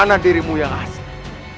normal aku memang jauh